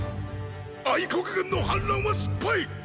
国軍の反乱は失敗！